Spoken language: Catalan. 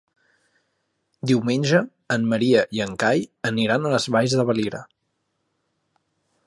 Diumenge en Maria i en Cai aniran a les Valls de Valira.